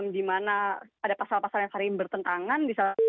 di mana ada pasal pasal yang sering bertentangan